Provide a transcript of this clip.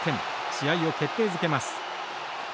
試合を決定づけます。